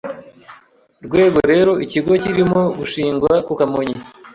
rwego rero ikigo kirimo gushingwa ku Kamonyi